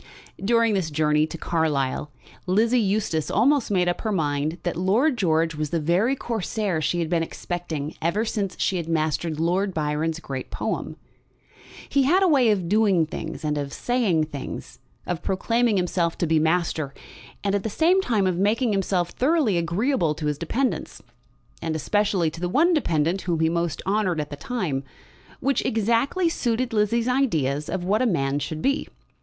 During this journey to Carlisle Lizzie Eustace almost made up her mind that Lord George was the very Corsair she had been expecting ever since she had mastered Lord Byron's great poem. He had a way of doing things and of saying things, of proclaiming himself to be master, and at the same time of making himself thoroughly agreeable to his dependants, and especially to the one dependant whom he most honoured at the time, which exactly suited Lizzie's ideas of what a man should be.